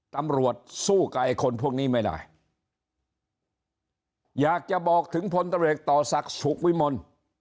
ตำรวจสู้กับไอ้คนพวกนี้ไม่ได้อยากจะบอกถึงพลตำรวจต่อศักดิ์สุขวิมล